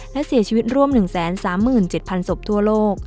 และเสียชีวิตร่วม๑๓๗๐๐ศพทั่วโลก